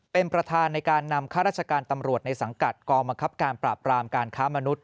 เป็นประธานในการนำฆาตราชการตำรวจในสังกัดกรมกรับการประปรามการค้ามนุทธิ์